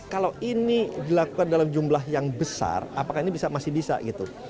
kalau ini dilakukan dalam jumlah yang besar apakah ini masih bisa gitu